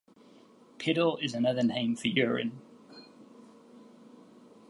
Piddle is another name for urine.